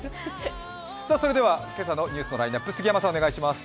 それでは今朝のニュースのラインナップ杉山さんお願いします。